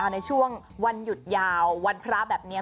ในช่วงวันหยุดยาววันพระแบบนี้